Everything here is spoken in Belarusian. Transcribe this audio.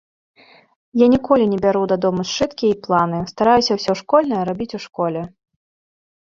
Я ніколі не бяру дадому сшыткі і планы, стараюся ўсё школьнае рабіць у школе.